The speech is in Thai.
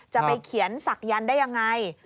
จะไปเขียนศักยณฑ์ได้อย่างไร